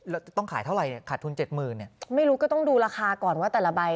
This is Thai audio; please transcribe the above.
แล้วต้องขายเท่าไหร่เนี่ยขาดทุนเจ็ดหมื่นเนี่ยไม่รู้ก็ต้องดูราคาก่อนว่าแต่ละใบ